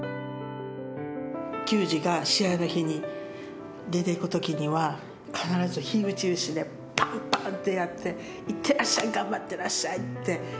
球児が試合の日に出ていく時には必ず火打ち石でパンパンってやって行ってらっしゃい頑張ってらっしゃいってやってましたね。